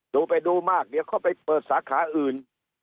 ไปดูมากเดี๋ยวเขาไปเปิดสาขาอื่น